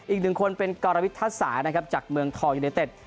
อีกหนึ่งคนเป็นกรวิทัศานะครับจากเมืองทองยูเนเต็ด